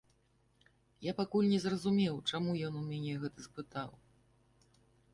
Я пакуль не зразумеў, чаму ён у мяне гэта спытаў.